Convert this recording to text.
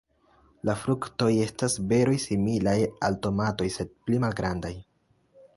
La fruktoj estas beroj similaj al tomatoj, sed pli malgrandaj.